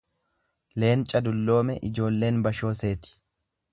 Leenca dulloome, ijoolleen bashoo seeti.